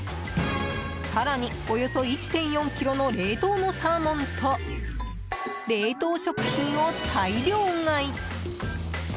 更に、およそ１．４ｋｇの冷凍のサーモンと冷凍食品を大量買い。